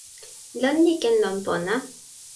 lon li ken lon pona.